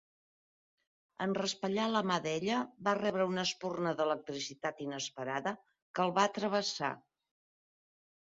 En raspallar la mà d'ella, va rebre una espurna d'electricitat inesperada que el va travessar.